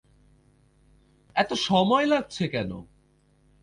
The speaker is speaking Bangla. এত সময় লাগছে কেন?